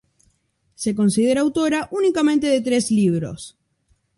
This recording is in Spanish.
Se consideraba autora únicamente de tres libros.